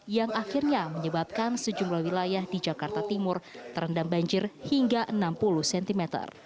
yang akhirnya menyebabkan sejumlah wilayah di jakarta timur terendam banjir hingga enam puluh cm